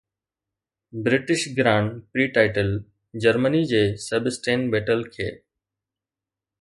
British Grand Prix title Germany جي Sebastian Vettel کي